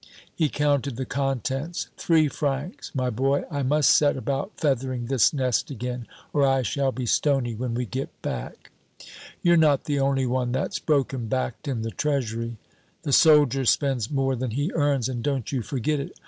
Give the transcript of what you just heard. He counted the contents. "Three francs! My boy, I must set about feathering this nest again or I shall be stony when we get back." "You're not the only one that's broken backed in the treasury." "The soldier spends more than he earns, and don't you forget it.